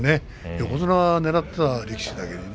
横綱をねらっていた力士だけにね。